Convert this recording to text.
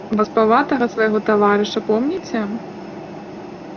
Васпаватага свайго таварыша помніце?